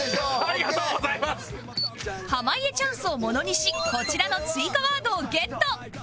濱家チャンスをものにしこちらの追加ワードをゲット！